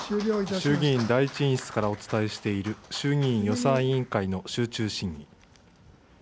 衆議院第１委員室からお伝えしている、衆議院予算委員会の集中審議。